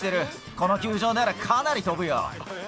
この球場ならかなり飛ぶよ。